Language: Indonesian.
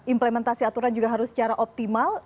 implementasi aturan juga harus secara optimal